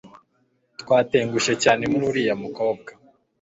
Twatengushye cyane muri uriya mukobwa